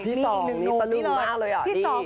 ที๒มีอีกก็หนู